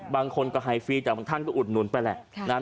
บางคนก็ให้ฟรีแต่บางท่านก็อุดหนุนไปแหละ